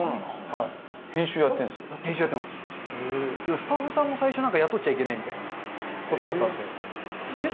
スタッフさんも最初なんか雇っちゃいけないみたいな事だったんで。